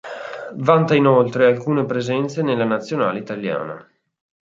Vanta inoltre alcune presenze nella nazionale italiana.